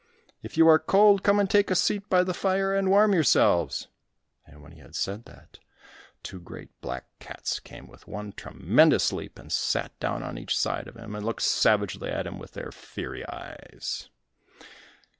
If you are cold, come and take a seat by the fire and warm yourselves." And when he had said that, two great black cats came with one tremendous leap and sat down on each side of him, and looked savagely at him with their fiery eyes.